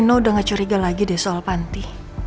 ya udah gak ada lagi soal panti